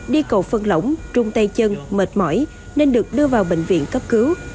đi cầu phân lỏng trung tay chân mệt mỏi nên được đưa vào bệnh viện cấp cứu